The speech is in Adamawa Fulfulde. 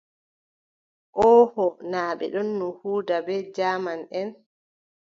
Ooho, naa ɓe ɗonno huuda bee jaamanʼen may.